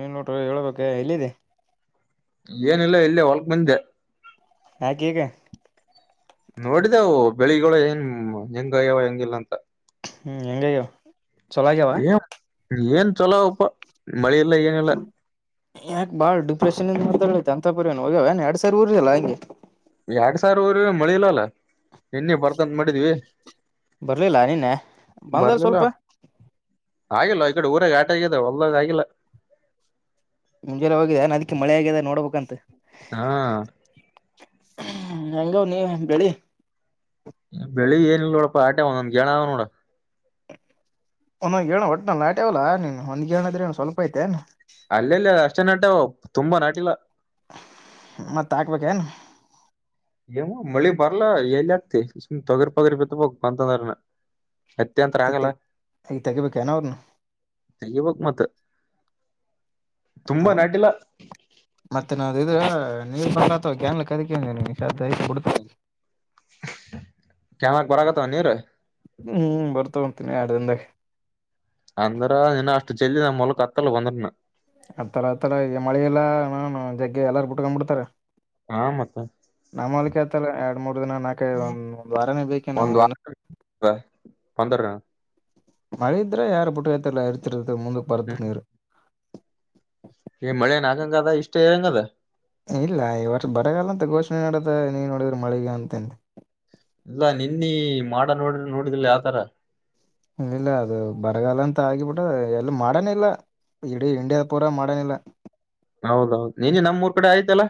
ಏ ನೋಡ ಹೇಳಳ್ಬೇಕ ಎಲ್ಲಿದೆ. ಏನಿಲ್ಲ ಇಲ್ಲಿ ಹೊಳಕ್ ಬಂದಿದ್ದೆ. ಯಾಕೆ ಈಗ. ನೋಡಿದವು ಬೆಳಿಗಳು ಏನ್ ಹೆಂಗಯಾವ ಹೆಂಗಿಲ್ಲ ಅಂತ. ಹ್ಮ್ ಹೆಂಗಗ್ಯಾವು. ಏನ್ ಏನ್ ಚಲೋಪ್ಪ ಮಳಿ ಎಲ್ಲ ಏನೀಲ್ಲ. ಯಾಕೆ ಬಾಳ್ ಡಿಪ್ರೆಷನ್ಯಿಂದ ಅಂತ ಮಾತಾಡ್ತೀನಿ ಅಂತ ಪರಿವ ಹೋಗ್ಯವನ್ ಎರಡ್ ಸಾವರ ಊರಲ್ಲ ಹಂಗೆ. ಯಾರಾಡ್ ಸಾರೀ ಊರು ಮಳಿ ಇಲ್ಲಲ್ಲ. ನೆನ್ನಿ ಬರ್ತಂತ ಮಾಡಿದ್ವಿ ಬರ್ಲಿಲ್ಲ ನಿನ್ನೆ ಬಂದಲ್ ಬರ್ಲಿಲ್ಲ. ಸ್ವಲ್ಪ ಆಗಿಲ್ಲ ಈ ಕಡೆ ಊರಾಗ ಆಟಾಗಿ ಆಗಿದೆ ಹೊಲದಾಲ್ಲಿ ಆಗಿಲ್ಲ ಮುಂಜೆ ಹೋಗಿದ್ದದನೆ ಅದ್ಕ್ಕೆ ಮಳೆ ಆಗಿದೆ ನೋಡ್ಬೇಕ ಅಂತ. ಹಾ ಹೆಂಗ ನೀವ್ ಬೆಳಿ. ಬೆಳಿ ಏಲ್ಲಲ್ ನೋಡಪ್ಪಾ ಆಟೆ ಒಂದೊಂದ್ಗೆೇಳ ನೋಡ. ಒಂದೊ ಹೇಳಣ್ಣ ಒಟ್ಟನ್ಲಿ ನಾಟಿ ಅವಲ್ಲ ನೀನ್ ಒಂದ್ರಣದ್ರೆ ಸ್ವಲ್ಪ ಐತೆೇ. ಅಲ್ಲೆ ಅಲ್ಲಿ ಅಷ್ಟೇ ನಟವು ತುಂಬಾ ನಾಟಿಲ್ಲ. ಮತ್ತತ್ ಹಕ್ಬೇಕ ಏನ್. ಮಳಿ ಬರ್ಲಾ ಎಲ್ಲಿ ಆಗ್ತಿ ಸುಮ್ ತೊಗರಿ ಪೊಗರಿ ಬಿತ್ತಬಬೇಕಕ್ ಬಂತಂದ್ರನ. ಹತ್ತಿ ಅಂತು ಮತ್ತೆ ಆಗಲ್ಲ. ಈಗ ತೆಗಿಬೇಕೇನ ಅವ್ರನು ತೆಗೀಬೇಕು ಮತ್ತ ತುಂಬಾ ನಾಟಿಲ್ಲ. ಮತ್ತೆ ನಾವು ಇದ್ರ ನೀವ ಅವಾ ಗ್ಯಾನ್ಲ್ [unintelligible] ಕ್ಯಾಮರಕ್ ಬರಗತ್ತ ನೀರ. ಹ್ಮ್ ಹ್ಮ್ ಬರ್ತಾವ [unintelligible] ಅಂದ್ರ ಇನ್ ಅಷ್ಟು ಚೆಲ್ಲಿ ನಮ್ಮ ಹೊಲಕ್ಕ ಹತ್ತಲ್ಲ ಬಂದ್ರುನು. ಹತ್ತಲ್ಲ ಹತ್ತಲ್ಲ ಈಗ ಮಳೆಲ್ಲ ಜಗ್ಗೆ ಎಲ್ಲಾರು ಬಿಟ್ಕೊಂಡ್ ಬಿಡ್ತಾರ. ಹಾ ಮತ್ತ ನಮ್ಮ ಹೊಲಕ್ಕ ಹತಲ್ಲ ಎರಡ್ ಮೂರ್ ದಿನ ನಾಕೈದು ಒಂದ ವಾರಾನೇ ಬೇಕು. ಒಂದವರ ಬಂದ್ರುನು. ಮಳೆ ಇದ್ರೆ ಯಾರು ಬಿಟ್ಟೈತಲ್ಲ ಇರ್ತಿರ್ತ ಮುಂದಕ್ ಹ್ಮ್ ಬರತ್ತು ನೀರು. ಈ ಮಳೆನ್ ಆಗಂಗ ಅದ ಇಷ್ಟ್ ಇರಂಗದ. ಇಲ್ಲ ಈ ವರ್ಷ ಬರಗಲ್ಲ ಅಂತ ಘೋಷಣೆ ನಡದ ನೀನ್ ನೋಡಿದ್ರಿ ಮಳಿಗ ಅಂತ. ಇಲ್ಲ ನಿನ್ನ ಮೋಡ ನೋಡ ನೋಡಿದಿಲ್ಲ ಯಾವತರ. ಇಲ್ಲ ಇಲ್ಲ ಅದು ಬರಗಾಲ ಅಂತ ಆಗಿಬಿಟ್ಟ ಎಲ್ಲ ಮಾಡನೆ ಇಲ್ಲ ಇಡೀ ಇಂಡಿಯಾ ಪೂರಾ ಮಾಡ್ಯಾನಿಲ್ಲ. ಹೌದ್ ಹೌದ್ ನಿನ್ನಿ ನಮ್ಮೂರ್ ಕಡೆ ಆಯ್ತಲ್ಲಾ.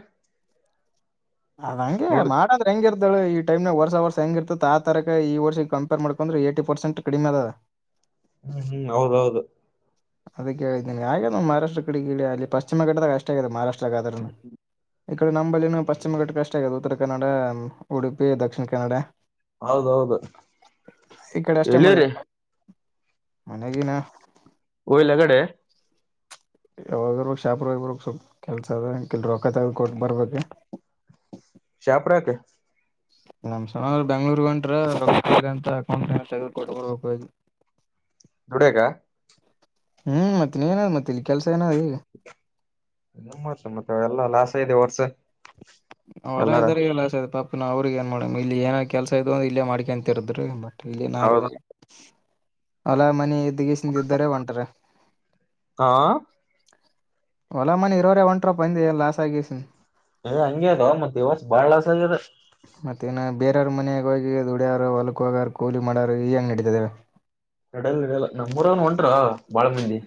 ಅದ ಹಂಗೆ ನೋಡ್ ಮಾಡದ ಹೆಂಗ್ ಇರ್ತಳ ಈ ಟೈಮನ್ಯಾಗ್ ವರ್ಷ ವರ್ಷ ಹೆಂಗಿ ಇರ್ತಿತ್ ಆ ತರಕ ಈ ವರ್ಷಕ್ ಕಂಪೇರ್ ಮಾಡಿಕೊಂಡ್ರ ಏಟಿ ಪರ್ಸೆಂಟ್ ಕಡಿಮೆ ಅದ. ಹ್ಮು ಹ್ಮು ಹೌದ್ ಹೌದ್. ಅದ ಕೇಳಿದ್ದೇನೆ ಹಾಗೆನ್ ಮಹಾರಾಷ್ಟ್ರ ಕಡೆ ಅಲ್ಲಿ ಪಶ್ಚಿಮ ಘಟ್ಟದಾಗ ಅಷ್ಟೇ ಆಗಿದೆ ಮಾರಾಷ್ಟ್ರಗ ಆದ್ರನು. ಈ ಕಡೆ ನಂಬಲ್ಲಿ ನಮ್ಮ ಪಶ್ಚಿಮ ಘಟ್ಟಕ್ಕೆ ಅಷ್ಟ ಆಗದ ಉತ್ತರ ಕನ್ನಡ, ಉಡುಪಿ, ದಕ್ಷಿಣಕನ್ನಡ. ಹೌದೌದು ಈ ಕಡೆ ಅಷ್ಟೇ ಮಳೆ ಎಲ್ಲಿರಿ ಹಂಗಾಗಿನ ಒಯಲಗಡೆ ಯಾವಾಗರ್ ಶಾಪುರ ಹೋಗಿ ಬರೋಗ್ ಸ್ವಪ್ ಕೆಲಸ ಅದ [unintelligible] ರೊಕ್ಕ್ ತಗದ ಕೊಟ್ಟ ಬರ್ಬೇಕ. ಶಾಪರ ಯಾಕ್. [unintelligible] ಬೆಂಗಳೂರಿಗ ಹೊಂಟ್ರ [unintelligible] ದುಡ್ಯಾಕ ಹ ಮತ್ತ ನೀನ ಮತ್ತ ಇಲ್ಲಿ ಕೆಲಸ ಏನದ್ ಈಗ. [unintelligible] ಮತ್ತೆ ಎಲ್ಲಾ ಲಾಸ ಇದೆ ವರ್ಷ. ಹೊಲ ಎಲ್ಲಾರ [unintelligible] ಅವ್ರಿಗೆ ಏನ ಮಾಡಾನಂಗಿಲ್ಲ ಇಲ್ಲಿ ಏನ್ ಕೆಲ್ಸ ಇದ್ದು ಅಂದ್ರ ಇಲ್ಲೇ ಮಾಡಕೊಂತ ಇರುದ್ರಿ ಮ ಇಲ್ಲಿನ ಹೌದ [unintelligible] ಅಲ್ಲ ಮನ್ನಿ ಇದ್ದಗಿಸಿಂದ್ ಇದ್ದಾರ ಒಂಟರ. ಹಾ ಹೊಲ ಮನಿ ಇರೋರೆ ಹೊಂಟಾರಪಾ ಅಂದೆ ಲಾಸ್ ಆಗಿಸಿಂದ್. ಎ ಹಂಗೆ ಅದೊ ಮತ್ತೆ ಈ ವರ್ಷ್ ಬಾಳ್ ಲಸ್ ಆಗ್ಯದ. ಮತ್ತ ಇನ್ನ್ ಬೇರವ್ರ ಮನೇಗಿ ಹೋಗಿ ದುಡ್ಯಾರ ಹೊಲಕ್ ಹೋಗಾರ ಕೂಲಿ ಮಾಡಾರ ಈ ಹೆಂಗ್ ನಡಿತದ್ ಹೇಳ್. ನಡ್ಯಲ್ಲ ನಡ್ಯಲ್ಲ ನಮ್ಮ್ಊರನ್ ಒಂಟ್ರ ಬಾಳ ಮಂದಿ.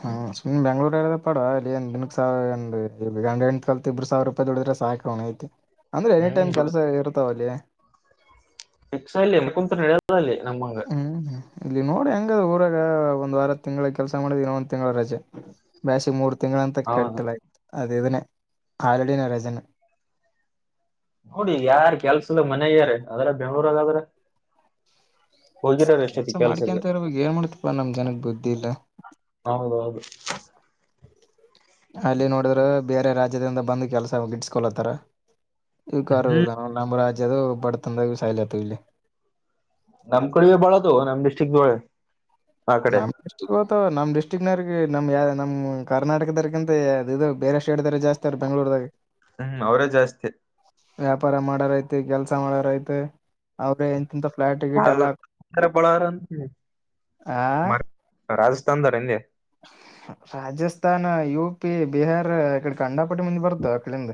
ಹಾ [unintelligible] ಬೆಂಗ್ಳೂರ [unintelligible] ಡ ಅಲ್ಲಿಂದ ದಿನಕ್ ಸಾವರ್ [unintelligible] ಸಾವಿರ ರೂಪಾಯಿ ದುಡಿದ್ರ ಸಾಕ ಅವಣ್ ಐತಿ. ಅಂದ್ರೆ ಎನಿ ಹ್ಮ್ ಟೈಮ್ ದುಡ್ ಕೆಲ್ಸ ಇರ್ತಾವ ಅಲ್ಲಿ. ಫಿಕ್ಸ್ ಅಲ್ಲಿ [unintelligible] ಅಲ್ಲಿ ನಮ್ಮಂಗ. ಹ್ಮು ಇಲ್ಲಿ ನೋಡಿ ಹೆಂಗದ್ ಊರಾಗ ಒಂದ್ ವಾರ ತಿಂಗ್ಳ್ ಕೆಲ್ಸ ಮಾಡಿದ ಇನ್ನ ಒಂದ್ ತಿಂಗಳ ರಜಾ. ಬ್ಯಾಸಿಗ್ ಮೂರು ತಿಂಗಳಂತ ಹೌದು ಕಟ್ಟಲಯ್ತು ಅದ ಇದನ್ನೇ ಹಾಲಿಡೇನ್ ರಜಾನೆ. ಹೋಗಿ ಯಾರ್ ಕೆಲ್ಸದ ಮನೆ ಯಾರ ಅದ್ರ ಬೆಂಗ್ಳೂರಾಗ ಆದ್ರ ಹೋಗಿರೋರು ಎಷ್ಟೈತಿ ಕೆಲ್ಸ ಕೆಲ್ಸಕ್ಕೆ ಮಾಡಕೆಂತ ಇರ್ಬೇಕ್ ಏನ್ ಮಾಡ್ತಿಪಾ ನಮ್ ಜನಗ್ ಬುದ್ಧಿಲ್ಲ. ಹೌದ್ ಹೌದು. ಅಲ್ಲಿ ನೋಡಿದ್ರ ಬೇರೆ ರಾಜ್ಯದಿಂದ ಬಂದ ಕೆಲಸ ಗಿಡ್ಸ್ಕೊಲತ್ತಾರ ಇ ಕಾರು ಹ್ಮ್ ಇಲ್ಲ. ನಮ್ಮ್ ರಾಜ್ಯದು ಬಡ್ತನದಾಗ ಸಾಯಲಾತಾವ್ ಇಲ್ಲಿ. ನಮ್ ಕಡಿವೇ ಬಾಳ್ ಆದುವೋ ನಮ್ ಡಿಸ್ಟ್ರಿಕ್ ಒಳಗ. ನಮ್ಮ್ [unintelligible] ಗೊತ್ತೋ ನಮ್ ಡಿಸ್ಟ್ರಿಕನ್ಯಾಯರಿಗಿ ನಮ್ ಯ ಕರ್ನಾಟಕದರ್ಗಿಂತೆ ಅದ್ ಇದು ಬೇರೆ ಸ್ಟೇಟ್ ದಾವ್ರೆ ಜಾಸ್ [unintelligible] ಬೆಂಗಳೂರದಾಗ. ಹ್ಮು ಅವರೇ ಜಾಸ್ತಿ. ವ್ಯಾಪಾರ ಮಾಡಾರ ಆಯ್ತ್ ಕೆಲ್ಸ ಮಾಡಾರ ಆಯ್ತ್ ಅವ್ರೆ ಎಂತಿಂತ ಫ್ಲಾಟ್ ಗಿಟ್ ಎಲ್ಲ [unintelligible] ಆ ರಾಜಸ್ಥಾನದಾವರ್ ಅಂದೆ. ರಾಜಸ್ಥಾನ, ಯು-ಪಿ, ಬಿಹಾರ ಈಕಡೆ ಕಂಡಾಪಟಿ ಮಂದಿ ಬರ್ತ ಆಕಡಿಂದ.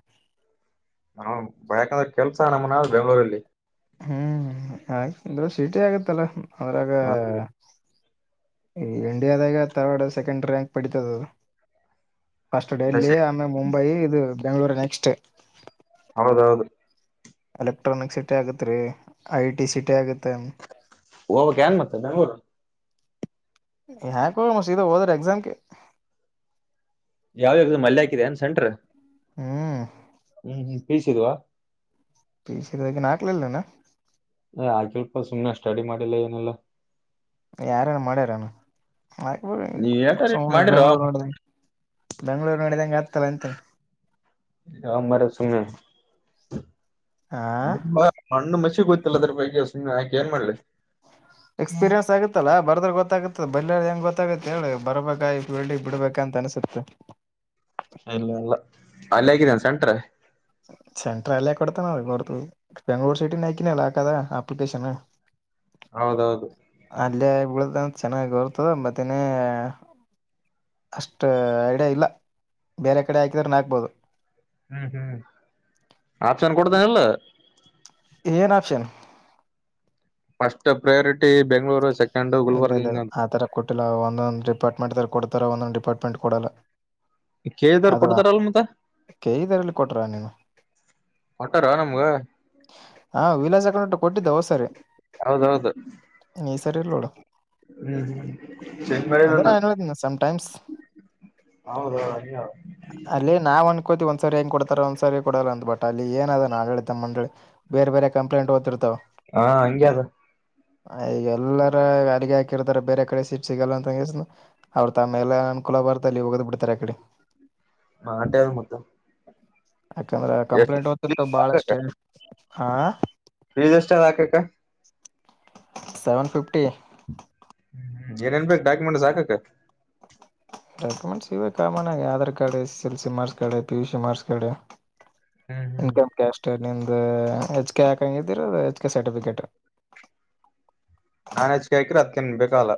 ಹಾ ಬೇಕಾದ್ರ ಕೆಲ್ಸ ನಮ್ಮನ ಬೆಂಗಳೂರಲ್ಲಿ. ಹ್ಮು ಹಾಗ ಅಂದ್ರ ಸೀಟಿ ಆಗತ್ತಲ್ಲ ಅದ್ರಾಗ ಅ ಈ ಇಂಡಿಯಾದಾಗ ಥರ್ಡ್ ಸೆಕೆಂಡ್ ರ್ಯಾಂಕ್ ಪಡಿತದದು. ಫಸ್ಟ್ ಡೆಲ್ಲಿ ದಶೆ ಆಮೇಲೆ ಮುಂಬೈ ಇದು ಬೆಂಗ್ಗಳೂರು ನೆಕ್ಸ್ಟ್. ಹೌದೌದು. ಎಲೆಕ್ಟ್ರಾನಿಕ್ ಸಿಟಿ ಆಗತ್ತೆ ರೀ ಐ ಟಿ ಸಿಟಿ ಆಗುತ್ತೆ. ಹೋಗವಕ್ ಏನ್ ಮತ್ತ ಬೆಂಗಳೂರು. ಯಾಕ ಹೋಗ ಮದಾ ಹೋದ್ರ ಎಕ್ಸಾಮ್ಗೆ. ಯಾವದ ಎಕ್ಸಾಮ್ ಅಲೆ ಹಾಕಿದ್ಯಾ ಸೆಂಟರ. ಹ್ಮ್ ಹ್ಮ್ ಹ್ಮ್ ಪೀಸಿದ ಪದ ನಾಕಲಲ್ಲ [inaudible] ಆಕೆಲ್ಪ ಸುಮನೆ ಸ್ಟಡಿ ಮಾಡಿಲ್ಲ ಏನೆಲ್ಲಾ. ಯಾರೇನು ಮಾಡ್ಯಾರನು ನೀವ್ ಬೆಂಗ್ಗಳೂರು ಏಟಾರ ಇಟ್ ಮಾಡಿರೋ ಸುಮ್ಮ್ನೆ ನೋಡ. ಬೆಂಗಳೂರು ನಡಿದಂಗೆ ಆಗ್ತಲ್ಲ ಅಂತೇನೆ. ಹ ಮಾರ ಸಂಗ ಆ [inaudible] ಮಣ್ಣು ಮಸಿ ಗೊತ್ತಿಲ್ಲದ ಬಗ್ಗೆ ಹಾಕೆ ಏನ್ ಮಾಡಲ್ಲಿ. ಎಕ್ಸ್ಪೀರಿಯನ್ಸ್ ಆಗತ್ತಲ್ಲ ಬರದ್ರೆ ಗೊತ್ತಾಗತ್ತೆ ಬರಲಿ ಹೆಂಗ ಗೊತ್ತಾಗತ್ತೆ ಹೇಳಿ ಬರ್ಬೇಕಳ್ಳಿ ಬಿಡ್ಬೇಕ ಅಂತ ಅನ್ಸುತ್ತೆ. ಹ ಇಲ್ಲ ಎಲ್ಲ ಅಲ್ಲಿ ಹೇಗಿದೆ ಅಂತೆ ಸೆಂಟ್ರ. ಸೆಂಟ್ರ ಎಲ್ಲೇ ಕೊಡ್ತಾನ ಅ ಕೊಡ್ತ. ಬೆಂಗ್ಳೂರು ಸಿಟಿ ನೈಕನಲ್ಲಾ ಕದಾ ಅಪ್ಲಿಕೇಶನ್. ಹೌದೌದು ಅಲ್ಲೇ ಬಿಳ್ದಂತ ಚೆನ್ನಾಗ್ ಬರ್ತದ ಮತ್ತೇನೇ. ಅಷ್ಟು ಐಡಿಯಾ ಇಲ್ಲ ಬೇರೆ ಕಡೆ ಹಾಕಿದ್ರ ಹಾಕ್ಬೋದು. ಹ್ಮ್ ಹ್ಮ್ ಆಪ್ಷನ್ ಕೊಡ್ತೇನಲ್. ಏನ್ option? First priority Bengaluru second ಇಲ್ಲ ಗುಲ್ಬರ್ಗ್ ಇಲ್ಲ ಹಿಂಗ ಅಂತ. ಆ ತರ ಕೊಟ್ಟಿಲ್ಲ ಒಂದೊಂದು ಡಿಪಾರ್ಟ್ಮೆಂಟ್ ಕೊಡ್ತಾರೆ ಒಂದೊಂದು ಡಿಪಾರ್ಟ್ಮೆಂಟ್ ಕೊಡಲ್ಲ. ಕೇಳಿದವ್ರು ಅದು ಕೊಡ್ತಾರಲ್ ಮತ್ತ ಕೆ. ಇ. ಬಿ ಇದರಲ್ಲಿ ಕೊಟ್ರ ನೀನು. ಕೋಟ್ಟಾರ ನಮ್ಗ. ಹಾ ವಿಲೇಜ್ ಅಕೌಂಟ್ ಕೊಟ್ಟಿದ್ದ ಹೋ ಸರಿ ಹೌದೌದು ಈ ಸರಿ ಇಲ್ಲ ನೋಡ. ಹ್ಮ ಅದೇ ಚೆನ್ಮಂದ ನಾನ್ ಹೇಳಿದ್ನ ಸಮ್ ಟೈಮ್ಸ್ [inaudible] ಹೌದ ಅಯಯ ತಿ ಒಂದ್ ಸರಿ ಹೆಂಗ್ ಕೊಡ್ತಾರ ಒಂದ್ ಸರಿ ಕೊಡಲ್ಲ ಅ ಬಟ್ ಅಲ್ಲಿ ಏನದ ಆಡಳಿತಮ್ಮ ಮಂಡಳಿ. ಬೇರೆ ಬೇರೆ ಕಂಪ್ಲೇಂಟ್ ಓತ್ತತಿರ್ತಾವ. ಹಾ ಹಂಗೆ ಅದು. ಈಗ ಎಲ್ಲಾರ ಅಲ್ಲಿಗೆ ಹಾಕಿರ್ತಾರ ಬೇರೆ ಕಡೆ ಸೀಟ್ ಸಿಗಲ್ಲ ಅಂತನ. ಅವ್ರ ತ ಮೇಲೆ ಅನುಕೂಲ ಬರ್ತ ಅ ಇಲ್ಲಿ ಹೋಗದ್ ಬಿಡ್ತಾರೆ ಆಕಡೆ. ಮಾಡಂಟದು ಮತ್ತ. ಯಾಕಂದ್ರೆ ಎಷ್ಟ್ ಕಂಪ್ಲೇಂಟ್ ಓ್ತತ ಬಾಳಷ್ಟೇ ಹ.. ಫೀಜ್ ಎಷ್ಟ ಅದ ಹಾಕಕ ಸೆವೆನ್ ಫಿಫ್ಟಿ. ಏನ್ ಏನ್ ಬೇಕು ಡಾಕ್ಯುಮೆಂಟ್ಸ್ ಹಾಕಕ್. ಡಾಕ್ಯುಮೆಂಟ್ಸ್ ಇವೆ ಕಾಮನ್ ಆಗಿ Aadhaar card S S L C marks ಕಾಡ ಪಿ ಯು ಸಿ ಮಾರ್ಕ್ಸ್ ಕಾಡ. ಹ್ಮ್ ಹ್ಮ್ ಇನ್ಕಮ್ ಕ್ಯಾಸ್ಟ್ ನಿಮ್ದ ಹೆಚ್ ಕೆ ಹಾಕಂಗಿದ್ದೀರ ಹೆಚ್ ಕೆ ಸರ್ಟಿಫಿಕೇಟ್. ನಾನ್ ಅಜ್ಕ ಹಕ್ರೆ ಅದ್ಕನ್ ಬೇಕಲ್ಲ.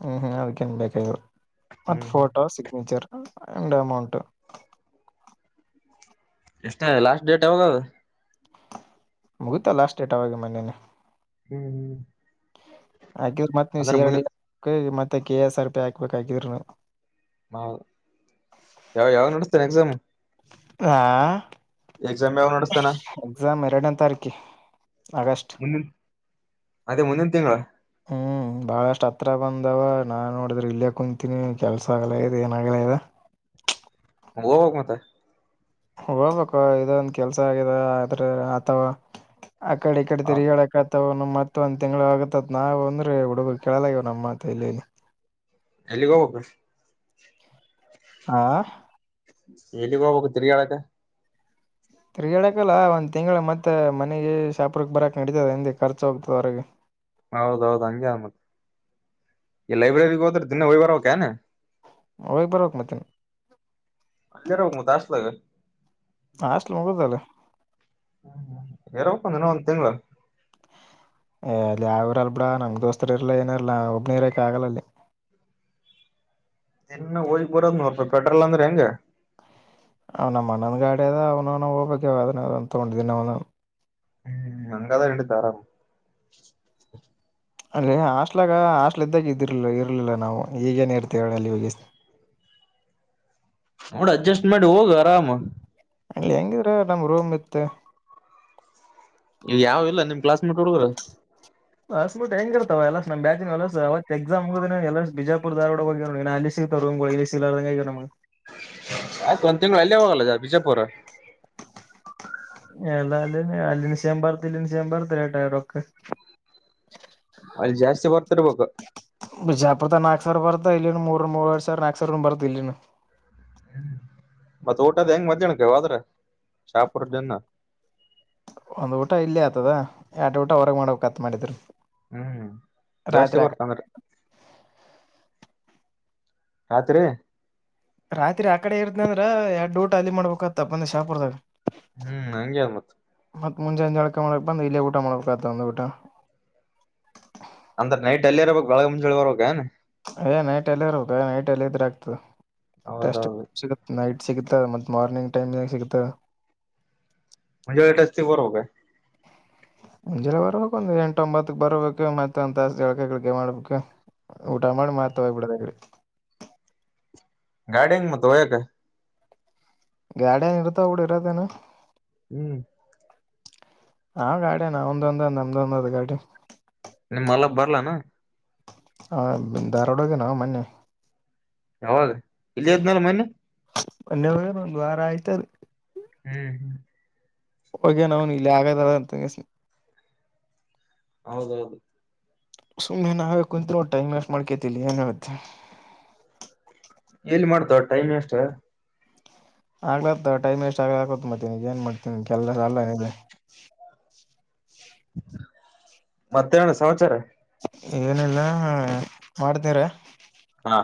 ಹ್ಮ್, ಹ್ಮ ಅದಕ್ಕೇ ನ್ ಬೇಕಾಗಿಲ್ಲಾ ಮತ್ತ ಹ್ಮ್ ಹ್ಮ್ ಫೋಟೋ ಸಿಗ್ನೇಚರ್ ಎಂಡ್ ಅಮೌಂಟ್. ಎಷ್ಟೇ ಲಾಸ್ಟ್ ಡೇಟ್ ಯಾವಾಗದು? ಮುಗಿತಾ ಲಾಸ್ಟ್ ಡೇಟ್ ಆವಾಗೆ ಮೊನ್ನೆನೇ. ಹ್ಮ್, ಹ್ಮ್ ಹಾಕಿದ್ರ ಮತ್ತ್ ನೀವು ಸಿ ಅಂದ್ರೆ ಆರ್ ಮುಂದೆ ಡಿ ಹಾ ಮತ್ತೆ ಕೆ ಎಸ್ ಆರ್ ಪಿ ಹಾಕ್ಬೇಕ ಹಾಕಿದ್ರುನು. ಹ ಯಾವ ಯಾವಗ ನಡೆಸ್ತಾರೆ ಎಕ್ಸಾಮ್? ಆಹಾ,, ಎಕ್ಸಾಮ್ ಯಾವಗ ನಡಸ್ತಾನ ಎಕ್ಸಾಮ್ ಎರಡನೇ ತಾರೀಕು ಆಗಸ್ಟ್ ಹ್ಮ್, ಅದೇ ಮುಂದಿನ ತಿಂಗಳ ಹ್ಮ್, ಬಾಳಷ್ಟ್ ಹತ್ರ ಬಂದವ ನಾನ್ ನೋಡಿದ್ರೆ ಇಲ್ಲೇ ಕುಂತಿನಿ ಕೆಲ್ಸ ಆಗಲ್ಲ ಅಗದ್ ಏನ ಆಗಲ್ಲ ಆಗ್ಯದ. ಹೋಗ್ಬೇಕ ಮತ್ತ ಹೋಗ್ಬೇಕು ಇದೊಂದ ಕೆಲ್ಸ ಆಗಿದೆ ಆದ್ರೆ ಅಥವಾ. ಆ ಕಡೆ ಈ ಕಡೆ ತಿರುಗ್ಯಾಡಾಕ ಆಗತ್- ಮ ಮತ್ತ ಒಂದ್ ತಿಂಗಳು ಆಗತ್ಅಂತ ನಾವು ಅಂದ್ರೆ ಹುಡುಗರು ಕೇಳಲ್ಆಗ್ಯಾವ ನಮ್ಮ ಮಾತ ಎಲ್ಲೆಲ್ಲಿ. ಎಲಿಗೋಗಬೇಕು? ಹಾ, ಎಲ್ಲಿಗೆ ಹೋಗಬೇಕು ತಿರಿಗ್ಯಾಡಾಕ. ತಿರ್ಗಾಡಕಲ್ಲ ಒಂದ ತಿಂಗಳ ಮತ್ತೆ ಮನೆಗೆ ಶಾಪೂರಕ ಬರಕ್ ನಡತದೆ ಅಂದೆ ಖರ್ಚು ಹೋಗ್ತದ ಹೊರಗ. ಹೌದೌದು! ಹಂಗೆ ಆದ ಮತ್ ಈ ಲೈಬ್ರರಿಗೆ ಹೋದ್ರೆ ದಿನ ಹೋಗ ಬರಬೇಕನೆ ಹೋಗ್ ಬರ್ಬೇಕು ಮತ್ತೇ. ಇಲ್ಲೆ ಇರು ಮತ್ತ ಹಾಸ್ಟೆಲಾದಾಗ. ಹಾಸ್ಟೆಲ್ ಹೋಗಲಾ ಹ್ಮ, ಇರಬೇಕಲ ಇನ್ನಾ ಒಂದ ತಿಂಗಳ ಏ ಅಲ್ಲಿ ಯಾರ ಇರ ಅಲ್ ಬಿಡಾ ಅಣ್ಣ ನಮ್ ದೋಸ್ತರ್ ಇರಲ್ಲಾ ಏನ ಇರಲ್ಲಾ ಒಬ್ಬನ ಇರಕ ಆಗಲ್ಲ ಅಲ್ಲಿ. ದಿನ್ನ ಹೋಗಿ ಬರೋದುಪೆಟ್ರೋಲ್ ಅಂದ್ರ ಹೆಂಗ. ಅವ್ನ ನಮ್ಮ ಅಣ್ಣಂದ ಗಾಡಿ ಅದ ಅವ್ನು ನವುನ [unintelligible] ಹೋಗಬೇಕಾವ ಅದ ತಗೊಂಡಿದಿನಿ ಅವನು ಹ್ಮ್, ಅಂಗಾದರ ನೆಡಿತಾದ ಆರಾಮ. ಅಂದರೆ ಹಾಸ್ಟ್ ಗ ಹಾಸ್ಲ್ ಇದ್ದಾಗ ಇದಿರಲಿಲ್ಲ ಇರಲಿಲ್ಲಾ ನಾವು. ಈಗೇನ ಇರ್ತೀವಿ ಹೇಳ ಅಲ್ಲಿ ಹೋಗೇಸಿಂದ. ನೋಡ ಅಡ್ಜಸ್ಟ್ಮೆಂಟ್ ಮಾಡಿಹೋಗು ಆರಾಮ. ಅಲ್ಲಿ ಹೆಂಗಿದ್ರ ನಮ್ ರೂಮ್ ಇತ್ತ. ಗ ಯಾವ ಇಲ್ಲ ಏನ್ ನಿಮ್ ಕ್ಲಾಸಮೇಟ್ ಹುಡುಗರು. ಕ್ಲಾಸಮೇಟ್ ಹೆಂಗ ಇರ್ತಾವ ಎಲ್ಲಸು ನಮ ಬ್ಯಾಚ್ನಿವು ಎಲ್ಲಸು ಅವತ್ ಎಕ್ಸಾಮ್ ಹೋಗುದ ಎಲ್ಲ ಬಿಜಾಪುರ ಧಾರ್ವಾಡ ಹೋಗ್ಯಾರ್ ಇನ್ ಅಲ್ಲಿಸು ಸಿಗ್ತಾವ ರೂಮಗಳು ಎಲ್ಲಿ ಸಿಗಲರದಂಗ ಆಗ್ಯಾವ ನಮಗ. ಆಯ್ತು ಒಂದ್ ತಿಂಗಳು ಅಲ್ಲೆ ಹೋಗಲ್ಲ ಬಿಜಾಪುರ. ಎಲ್ಲ ಅಲ್ಲಿ ಅಲ್ಲಿನು ಸೇಮ್ ಬರತ್ ಇಲ್ಲಿನು ಬರ್ತ ರೇಟ ರೊಕ್ಕ. ಅಲ್ಲಿ ಜಾಸ್ತಿ ಬರ್ತಿರ್ಬೇಕು. ಬಿಜಾಪುರ ದಾಗ್ ನಾಕ್ಸಾವಿರ್ ಬರತ ಇಲ್ಲಿನ್ನು. ಮೂರು ಮೂರು ವರಿ ಸಾವಿರ ನಾಕಸಾವಿರು ಬರತ ಇಲ್ಲಿನ್ನು. ಮತ್ತ್ ಊಟಅದ್ಹೆಂಗ್ ಮಧ್ಯಾಹನಕ ಹೋದ್ರ ಶಾಪುರ ದಿನ್ನಾ. ಒಂದ್ ಊಟ ಇಲ್ಲಿ ಆಗ್ತದ ಎರಡು ಊಟ ಹೊರಗ್ ಮಾಡಬೇಕಾಗತ್ ಮಾಡಿದ್ರ. ಹ್ಮ್, ಜಾಸ್ತಿ ಬರ್ತ ಅಂದ್ರ ರಾತ್ರಿ ರಾತ್ರಿ ಆ ಕಡೆ ಇರ್ತನ ಅಂದ್ರ ಎರಡು ಊಟ ಅಲ್ಲಿ ಮಾಡ್ಬೇಕತ್ತದ ಶಾಪರ್ದಾಗ. ಹ್ಮ್, ಹಂಗೆ ಆದ ಮತ್ತ- ಮತ್ ಮುಂಜನೆ ಜಳಕ ಮಾಡಕ್ ಬಂದ ಇಲ್ಲೆ ಊಟ ಮಾಡಬೇಕ ಆತ ಒಂದು ಊಟ. ಅಂದ್ರ ನೈಟ್ ಅಲ್ಲಿ ಇರಬೇಕ ಬೆಳಗ ಮುಂಜಾನೆ ಬರ್ಬೇಕಾ ಏನ್. ಏ ನೈಟ್ ಎಲ್ಲಿ ಇರ್ಬೇಕು ನೈಟ್ ಎಲ್ಲಿ ಇದ್ರೆ ಆಗ್ತದೆ ಟೆಸ್ಟ್. ಹೌದೌದು ನೈಟ್ ಸಿಗುತ್ತ ಮತ್ತ ಮಾರ್ನಿಂಗ್ ಟೈಮನ್ಯಾಗ ಸಿಗತದ್ದೆ. ಮುಂಜಾನೆ ಎಷ್ಟೊತ್ತಿಗೆ ಬರಬೇಕು. ಮುಂಜೆಲೆ ಬರ್ಬೇಕ್ ಒಂದ್ ಎಂಟು ಒಂಬತ್ತಕ್ ಬರ್ಬೇಕು ಮತ್ತೆ ಒಂದ ತಾಸ ಜಳಕ ಕಿಳಗ ಮಾಡ್ಬೇಕು. ಊಟ ಮಾಡಿ ಮತ್ ಹೋಗ ಬಿಡದ ಆಕಡೆ ಗಾಡಿ ಹೆಂಗ್ ಮತ್ತೆ ವಯೋಕ್ಕೆ ಗಾಡಿಯಏನ್ ಇರ್ತಾವ ಬಿಡು ಇರೋದೇನ. ಹ್ಮ್. ಹಾ ಗಾಡಿಯನಾ ಅವಂದು ಒಂದ ಅದ ನಮ್ದ್ ಒಂದು ಅದ ಗಾಡಿ. ನಿಮ್ಮ ಮಲಪ್ಪ ಬರ್ಲಲೇನು. ಹಾ ಧಾರವಾಡ ಹೋಗ್ಯಾನ ಮೊನ್ನೆ. ಯಾವಾಗ ಇಲ್ಲೇ ಇದ್ನಾಲ್ಲ ಮೊನ್ನೆ. ಮನ್ನೆ ಹೋಗ್ಯಾನ ಒಂದು ವಾರ ಆಯ್ತ. ಹ್ಮ್ ಹ್ಮ್ ಹೋಗ್ಯನ ಅವ್ನ ಇಲ್ಲಿ ಆಗದಾರ ಅಂತಂಗಿಸನ. ಹೌದೌದು. ಸುಮ್ಮನೆ ನಾವೇ ಕುಂತ್ ಟೈಮನ್ವೆಸ್ಟ್ ಮಾಡಕೇತಿ ಏನೆ. ಎಲ್ಲಿ ಮಾಡ್ತಾವ ಟೈಮ್ ವೆಸ್ಟ್. ಆಗ್ಲತ್ ಟೈಮ್ ವೇಸ್ಟ್ ಆಗ್ಲತ ಮತ್ತೆ ನೀಗ ಏನ್ ಮಾಡ್ತೀನಿ ಕೆಲ್ಲಸ ಅಲ್ಲ. ಮತ್ತೆ ಏನಣ್ಣ ಸಮಾಚಾರ. ಏನಿಲ್ಲ ಮಾಡ್ತನೀರು. ಹ್ಮ